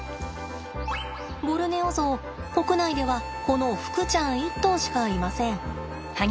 ボルネオゾウ国内ではこのふくちゃん１頭しかいません。